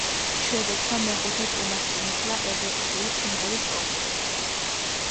შვედეთმა მეხუთედ უმასპინძლა ევროვიზიის სიმღერის კონკურსს.